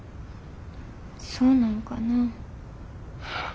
そうなんかなぁ。